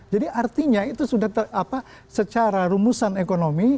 jadi artinya itu sudah secara rumusan ekonomi